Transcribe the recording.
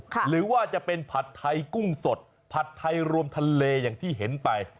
หรือว่าจะเป็นผัดไทยกุ้งสดผัดไทยรวมทะเลอย่างที่เห็นไป